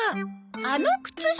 あの靴下